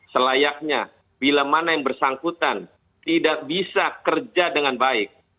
selayaknya bila mana yang bersangkutan tidak bisa kerja dengan baik